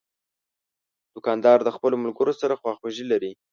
دوکاندار د خپلو ملګرو سره خواخوږي لري.